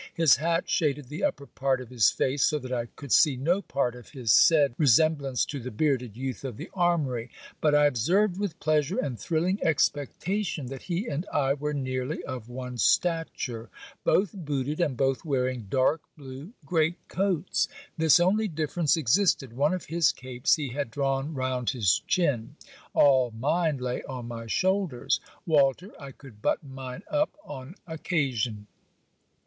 His hat shaded the upper part of his face, so that I could see no part of his said resemblance to the bearded youth of the armoury; but I observed with pleasure and thrilling expectation that he and I were nearly of one stature, both booted, and both wearing dark blue great coats. This only difference existed, one of his capes he had drawn round his chin, all mine lay on my shoulders. Walter, I could button mine up on occasion.